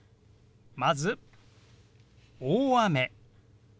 まず「大雨」。